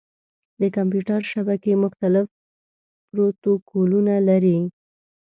د کمپیوټر شبکې مختلف پروتوکولونه لري.